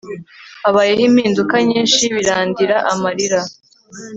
habayeho impinduka nyinshi. birandira amarira